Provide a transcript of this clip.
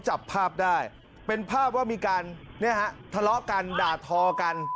จับภาพได้เป็นภาพว่ามีการทะเลาะกันด่าทอกัน